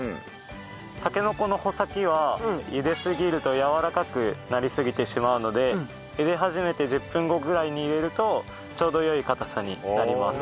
たけのこの穂先は茹ですぎるとやわらかくなりすぎてしまうので茹で始めて１０分後ぐらいに入れるとちょうど良いかたさになります。